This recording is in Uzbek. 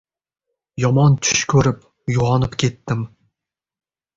Yomon tush ko`rib uyg`onib ketdim